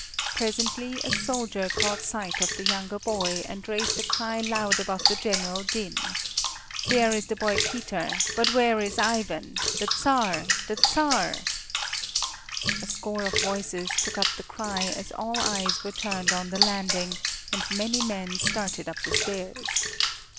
Presently a soldier caught sight of the younger boy and raised a cry loud above the general din. "There is the boy Peter, but where is Ivan? The Czar! The Czar!" A score of voices took up the cry as all eyes were turned on the landing, and many men started up the stairs.